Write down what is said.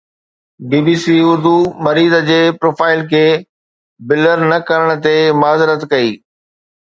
بي B C Urdu مريض جي profile کي بلر نه ڪرڻ تي معذرت ڪئي.